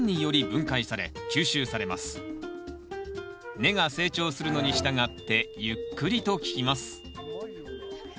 根が成長するのにしたがってゆっくりと効きます。